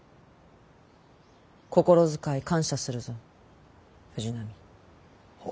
心遣い感謝するぞ藤波。